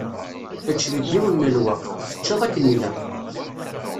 Ečč deg yiwen n lweqt, teččeḍ akken ilaq.